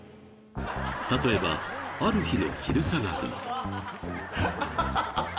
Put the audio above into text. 例えば、ある日の昼下がり。